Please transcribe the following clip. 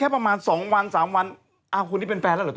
ผ่านโซชี